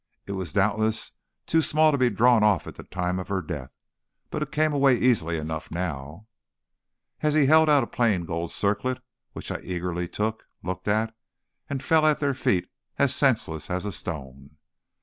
"It was doubtless too small to be drawn off at the time of her death, but it came away easily enough now." And he held out a plain gold circlet which I eagerly took, looked at, and fell at their feet as senseless as a stone.